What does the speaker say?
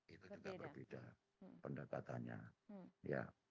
itu juga berbeda pendekatannya